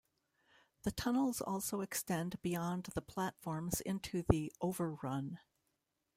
The tunnels also extend beyond the platforms into the "Overrun".